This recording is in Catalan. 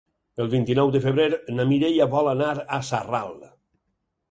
El vint-i-nou de febrer na Mireia vol anar a Sarral.